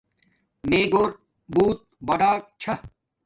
میں گھور بوت براک چھا